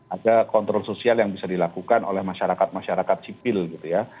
ada kontrol sosial yang bisa dilakukan oleh masyarakat masyarakat sipil gitu ya